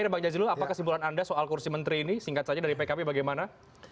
bagaimana kesimpulan anda soal kursi menteri ini singkat saja dari pkb bagaimana